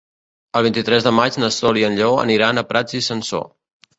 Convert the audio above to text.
El vint-i-tres de maig na Sol i en Lleó aniran a Prats i Sansor.